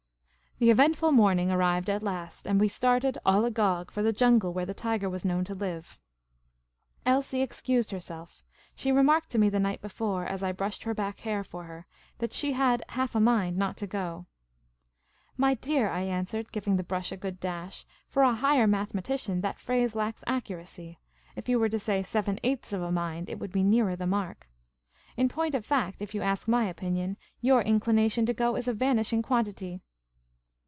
The eventful morning arrived at last, and we started, all agog, for the jungle where the tiger was known to live. Elsie excused herself. She remarked to me the night be fore, as I brushed her back hair for her, that she had " half a mind" not to go. " My dear," I answered, giving the brush a good dash, "for a higher mathematician, that phrase lacks accuracy. If you were to say ' seven eighths of a mind ' it would be nearer the mark. In point of fact, if you ask my opinion, your inclination to go is a vanishing quantity."